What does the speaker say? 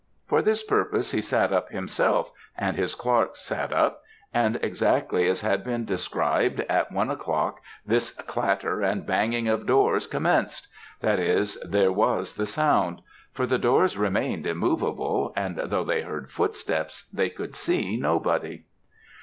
For this purpose he sat up himself, and his clerks sat up, and exactly as had been described, at one o'clock this clatter and banging of doors commenced that is, there was the sound; for the doors remained immovable, and though they heard footsteps they could see nobody.